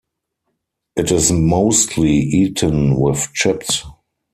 It is mostly eaten with chips.